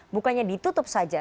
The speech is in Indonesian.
bukannya ditutup saja